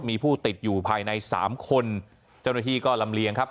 มีผู้ติดอยู่ภายในสามคนเจ้าหน้าที่ก็ลำเลียงครับ